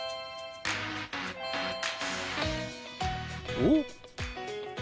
おっ！